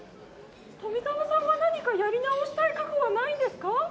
富沢さんは何かやり直したい過去はないんですか？